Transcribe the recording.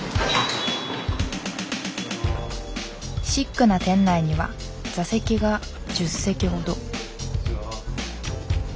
シックな店内には座席が１０席ほど。